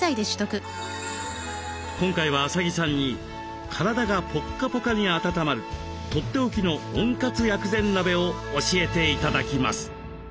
今回は麻木さんに体がポッカポカに温まるとっておきの温活薬膳鍋を教えて頂きます。